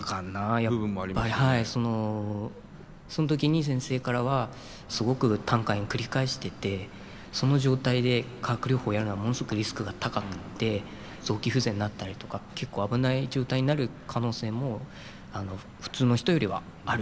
やっぱりその時に先生からはすごく胆管炎を繰り返しててその状態で化学療法をやるのはものすごくリスクが高くって臓器不全になったりとか結構危ない状態になる可能性も普通の人よりはある。